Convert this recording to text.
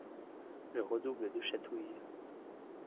Je redouble de chatouilles.